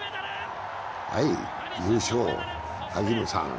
はい、優勝、萩野さん。